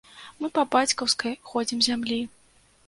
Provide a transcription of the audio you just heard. Мы па бацькаўскай ходзім зямлі!